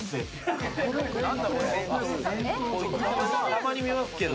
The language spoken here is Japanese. たまに見ますけど。